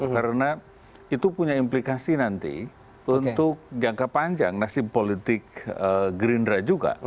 karena itu punya implikasi nanti untuk jangka panjang nasib politik gerindra juga